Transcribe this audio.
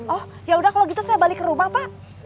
oh yaudah kalau gitu saya balik ke rumah pak